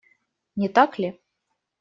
Не так ли?